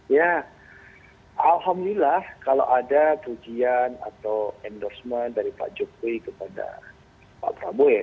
ya alhamdulillah kalau ada pujian atau endorsement dari pak jokowi kepada pak prabowo ya